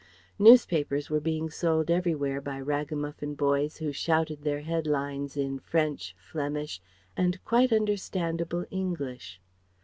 Newspapers were being sold everywhere by ragamuffin boys who shouted their head lines in French, Flemish, and quite understandable English.